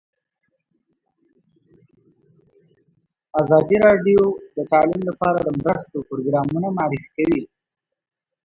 ازادي راډیو د تعلیم لپاره د مرستو پروګرامونه معرفي کړي.